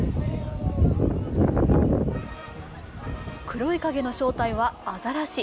黒い影の正体はアザラシ。